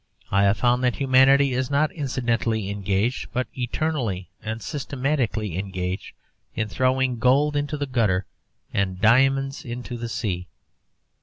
I have found that humanity is not incidentally engaged, but eternally and systematically engaged, in throwing gold into the gutter and diamonds into the sea.